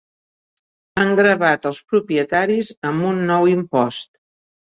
Han gravat els propietaris amb un nou impost.